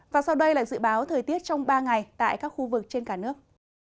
và sau đây là dự báo thời tiết trong ba ngày tại các khu vực trên cả nước